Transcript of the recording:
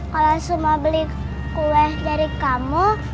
kalau suma beli kue dari kamu